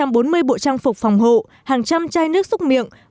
trăm bốn mươi bộ trang phục phòng hộ hàng trăm chai nước xúc miệng